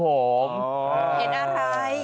เห็นอะไร